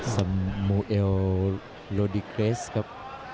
สมมูเอลโลดิเกรสครับ